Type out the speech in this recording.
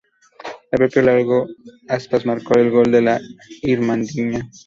El propio Iago Aspas marcó el gol de la Irmandiña.